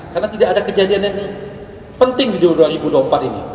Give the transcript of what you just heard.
karena tidak ada kejadian yang penting di dunia ini